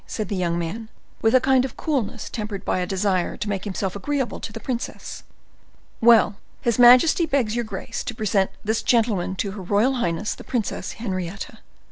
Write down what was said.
said the young man, with a kind of coolness tempered by a desire to make himself agreeable to the princess. "Well, his majesty begs your grace to present this gentleman to her royal highness the Princess Henrietta."